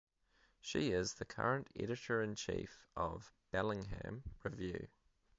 She is the current Editor-in-Chief of "Bellingham Review".